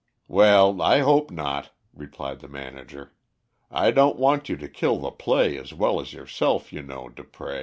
"Well, I hope not," replied the manager. "I don't want you to kill the play as well as yourself, you know, Dupré."